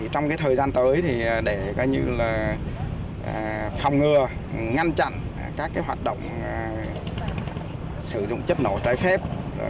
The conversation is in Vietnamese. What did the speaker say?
trong thời gian tới để phòng ngừa ngăn chặn các hoạt động sử dụng chất nổ trái phép